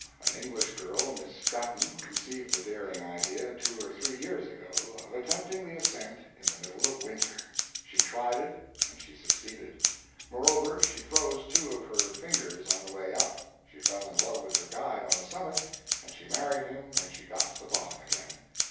An English girl, Miss Stratton, conceived the daring idea, two or three years ago, of attempting the ascent in the middle of winter. She tried it and she succeeded. Moreover, she froze two of her fingers on the way up, she fell in love with her guide on the summit, and she married him when she got to the bottom again.